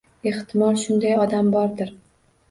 Ehtimol, shunday odam bordir.